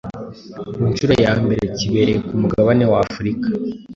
ku nshuro ya mbere kibereye ku mugabane w’Afurika,